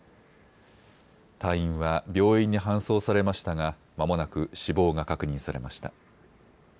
隊員は病院に搬送されましたがまもなく死亡が確認されました。